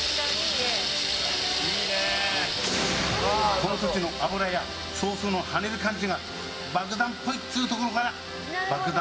この時の脂やソースの跳ねる感じが爆弾っぽいっつうところから爆弾